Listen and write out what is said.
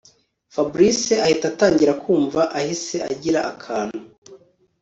Fabric ahita atangira kumva ahise agira akantu